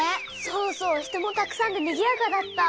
そうそう人もたくさんでにぎやかだった。